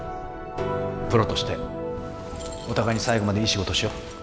プロとしてお互いに最後までいい仕事をしよう。